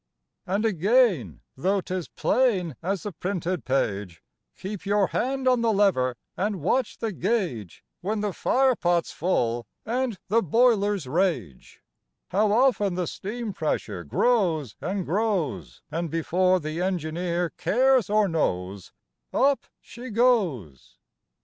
And again, tho' 'tis plain as the printed page: "Keep your hand on the lever and watch the gauge When the fire pot's full and the boilers rage," How often the steam pressure grows and grows And before the engineer cares or knows, Up she goes.